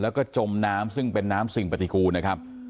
แล้วก็จมน้ำซึ่งเป็นน้ำสิ่งปฏิกูลนะครับ